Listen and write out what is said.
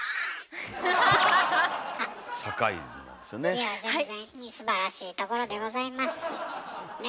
いやぁ全然すばらしいところでございますね。